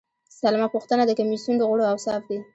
سلمه پوښتنه د کمیسیون د غړو اوصاف دي.